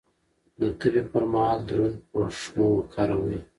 د تبه پر مهال دروند پوښ مه کاروئ.